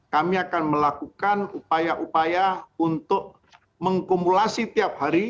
kami akan melakukan upaya upaya untuk mengkumulasi tiap hari